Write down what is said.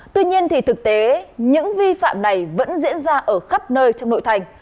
tuy nhiên thì thực tế những vi phạm này vẫn diễn ra ở khắp nơi trong nội thành